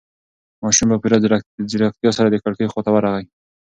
ماشوم په پوره ځيرکتیا سره د کړکۍ خواته ورغی.